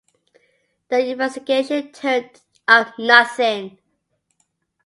The investigation turned up nothing.